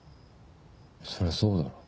そりゃそうだろ。